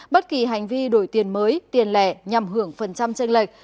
bất kỳ hành vi đổi tiền mới tiền lẻ nhằm hưởng phần trăm tranh lệch